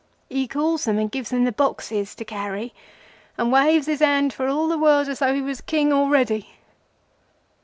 He calls them and gives them the boxes to carry, and waves his hand for all the world as though he was King already.